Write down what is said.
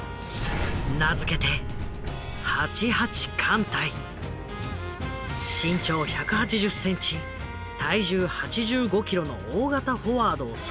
名付けて身長１８０センチ体重８５キロの大型フォワードをそろえる。